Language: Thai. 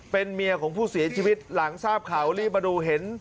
เป็นเมียของผู้เสียชีวิตหลังทราบข่าวรีบมาดูเห็น